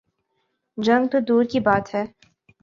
جنگ تو دور کی بات ہے۔